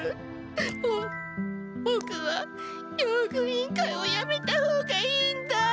ボボクは用具委員会をやめたほうがいいんだ。